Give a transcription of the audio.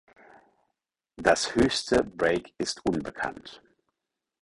Das höchste Break ist unbekannt.